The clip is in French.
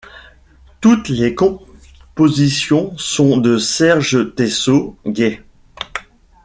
Toutes les compositions sont de Serge Teyssot-Gay.